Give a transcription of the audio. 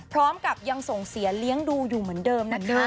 พร้อมกับยังส่งเสียเลี้ยงดูอยู่เหมือนเดิมนะคะ